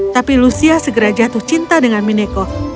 tapi lucia segera jatuh cinta dengan mineko